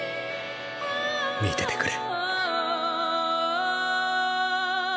見ててくれ。